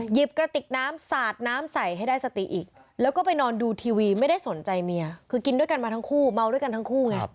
กระติกน้ำสาดน้ำใส่ให้ได้สติอีกแล้วก็ไปนอนดูทีวีไม่ได้สนใจเมียคือกินด้วยกันมาทั้งคู่เมาด้วยกันทั้งคู่ไง